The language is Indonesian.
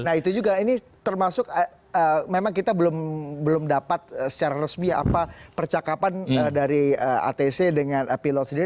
nah itu juga ini termasuk memang kita belum dapat secara resmi apa percakapan dari atc dengan pilot sendiri